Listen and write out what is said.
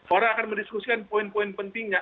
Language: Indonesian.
orang akan mendiskusikan poin poin pentingnya